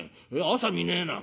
朝見ねえな